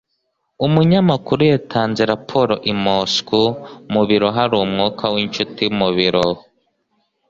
Umunyamakuru yatanze raporo i Moscou. Mu biro hari umwuka winshuti mubiro.